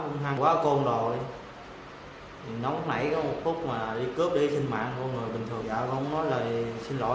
nóng nãy có một phút mà đi cướp để xin mạng con người bình thường đã không nói lời xin lỗi